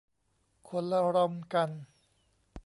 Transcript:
คนละรอมกัน